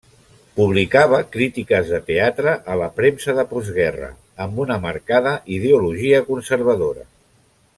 Publicava crítiques de teatre a la premsa de postguerra, amb una marcada ideologia conservadora.